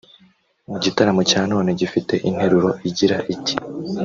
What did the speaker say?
Mu gitaramo cya none gifite intero igira iti